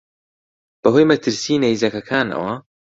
بە هۆی مەترسیی نەیزەکەکانەوە